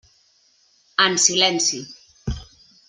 En silenci.